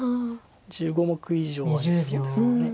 １５目以上ありそうですよね。